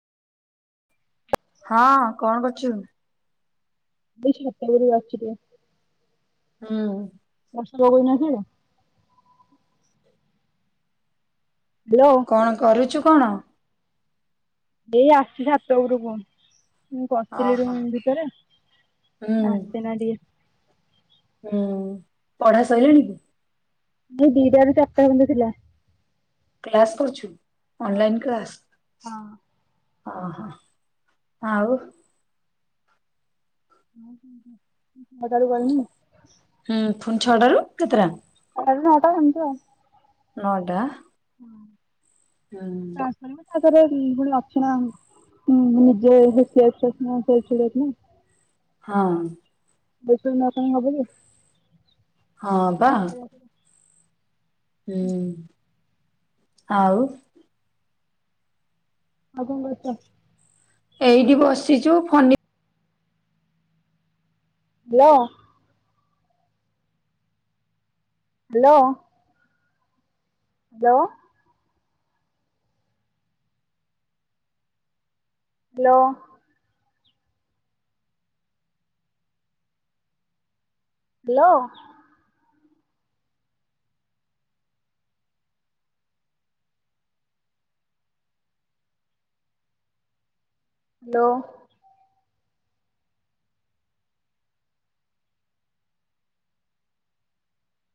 ହଁ, କଣ କରୁଛୁ? ମୁଇଁ ଛାତ ଉପରେ ବସିଛି ଟିକେ। ହୁଁ। ବର୍ଷା ହଉ ନାହିଁ କି? ହ୍ୟାଲୋ। କଣ କରୁଛୁ କଣ? ଏଇ ଆସିଛି ଛାତ ଉପରୁ କଣ। ମୁଁ ବସଥିଲି ଓହୋ ରୁମ ଭିତରେ, ହୁଁ ଆସିନା ଟିକେ। ହୁଁ, ପଢ଼ା ସଇଲାଣି କି? ଦି ଟାରୁ ଚାରିଟା ଜାଙ୍କେ ଥିଲା। କ୍ଲାସ୍ କରୁଛୁ, ହଁ ଅନଲାଇନ୍ କ୍ଲାସ୍? ହଁ ଅ, ହ, ଆଉ? ମୁଁ କାଲି କରିବିନି। ହୁଁ, ପୁଣି ଛଅ ଟାରୁ କେତେଟା? ଛଟା ରୁ ନଅ ଟା ସେମିତି ଆଉ। ନଅ ଟା। ହଁ। [unintelligible] ତା ଦେରେ ପୁଣି ଅଛି ନା। [unintelligible] ହଁ। [unintelligible] ହଁ, ପା, ଆଉ ହଁ। ହୁଁ, ଆଉ। ଆଉ କଣ କରୁଚ? ଏଇଠି ବସିଛୁ ଫନି ଲ। ହାଲୋ। [unintelligible] ହାଲୋ। ହାଲୋ। ହାଲୋ।